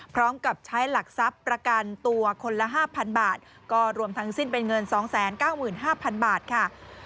พร้อมกับใช้หลักทรัพย์ประกันตัวคนละ๕๐๐๐บาทก็รวมทั้งสิ้นเป็นเงิน๒๙๕๐๐๐บาทค่ะ